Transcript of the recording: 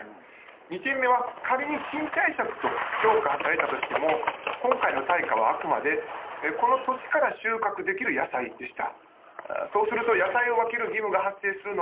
２点目は仮に賃貸借と評価されたとしても今回の対価はあくまでこの土地から収穫できる野菜でした。